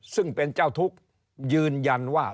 ซึ่งเป็นเจ้าทุกข์ยืนยันว่า